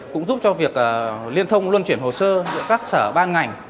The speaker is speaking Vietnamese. cũng giúp cho việc liên thông luân chuyển hồ sơ giữa các sở ban ngành